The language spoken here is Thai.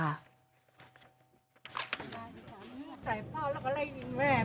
สามีใส่พ่อแล้วก็ไล่ยิงแม่